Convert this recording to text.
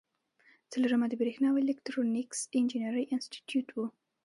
څلورمه د بریښنا او الکترونیکس انجینری انسټیټیوټ و.